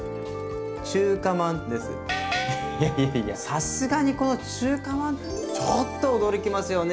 さすがにこの中華まんちょっと驚きますよね。